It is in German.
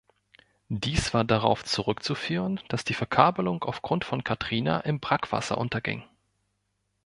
Dies war darauf zurückzuführen, dass die Verkabelung aufgrund von Katrina im Brackwasser unterging.